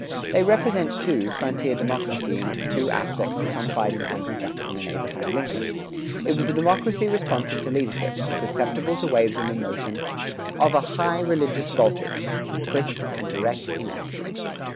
They represent, too, frontier democracy in its two aspects personified in Andrew Jackson and Abraham Lincoln. It was a democracy responsive to leadership, susceptible to waves of emotion, of a "high religeous voltage" quick and direct in action.